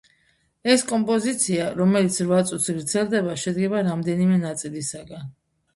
ეს კომპოზიცია, რომელიც რვა წუთს გრძელდება, შედგება რამდენიმე ნაწილისგან.